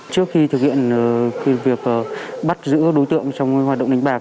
trước khi thực hiện việc bắt giữ đối tượng trong hoạt động đánh bạc